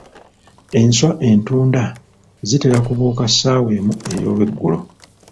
Enswa entunda zitera kubuuka ssaawa emu ey'olweggulo.